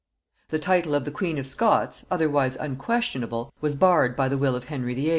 The title of the queen of Scots, otherwise unquestionable, was barred by the will of Henry VIII.